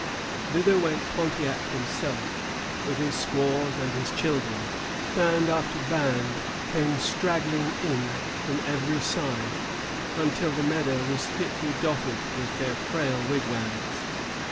Thither went Pontiac himself, with his squaws and his children. Band after band came straggling in from every side, until the meadow was thickly dotted with their frail wigwams.